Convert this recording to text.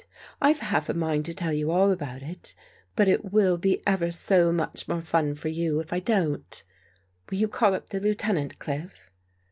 " IVe half a mind to tell you all about it. But it will be ever so much more fun for you, if I don't Will you call up the Lieutenant, Cliff?"